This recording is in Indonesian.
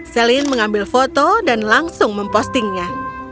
celine mengambil foto dan langsung mempostingnya